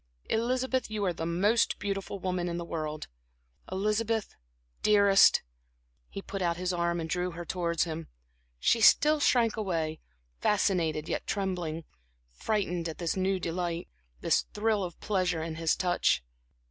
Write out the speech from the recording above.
Elizabeth, you are the most beautiful woman in the world. Elizabeth, dearest" ... He put out his arm and drew her towards him. She still shrank away, fascinated yet trembling, frightened at this new delight, this thrill of pleasure in his touch.